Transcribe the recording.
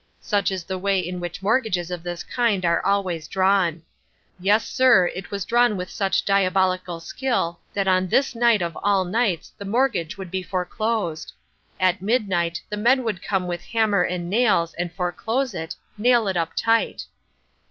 Such is the way in which mortgages of this kind are always drawn. Yes, sir, it was drawn with such diabolical skill that on this night of all nights the mortgage would be foreclosed. At midnight the men would come with hammer and nails and foreclose it, nail it up tight.